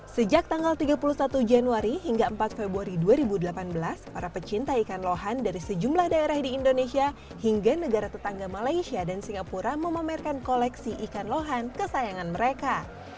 sejak tanggal tiga puluh satu januari hingga empat februari dua ribu delapan belas para pecinta ikan lohan dari sejumlah daerah di indonesia hingga negara tetangga malaysia dan singapura memamerkan koleksi ikan lohan kesayangan mereka